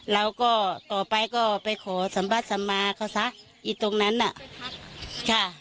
เราก็ต่อไปก็ไปขอสัมบัสสัมมาเขาซะอีกตรงนั้นน่ะค่ะ